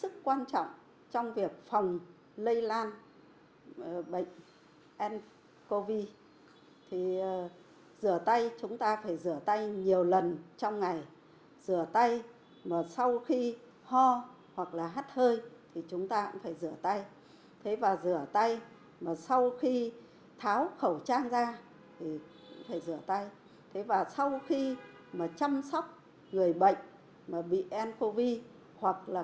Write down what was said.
các bạn hãy đăng ký kênh để ủng hộ kênh của chúng mình nhé